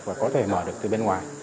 và có thể mở được từ bên ngoài